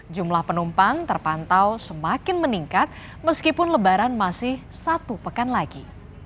jumlah penumpang terpantau semakin meningkat meskipun lebaran masih satu pekan lagi